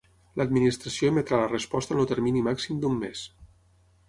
L'Administració emetrà la resposta en el termini màxim d'un mes.